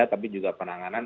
tapi juga penanganan